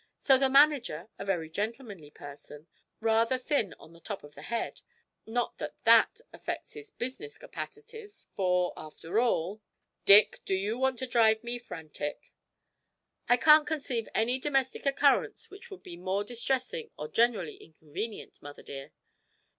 So the manager a very gentlemanly person, rather thin on the top of the head not that that affects his business capacities; for, after all ' 'Dick, do you want to drive me frantic!' 'I can't conceive any domestic occurrence which would be more distressing or generally inconvenient, mother dear.